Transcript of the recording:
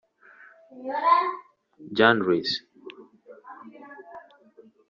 El disco señaló un cambio drástico en el sonido de la banda.